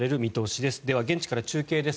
では現地から中継です。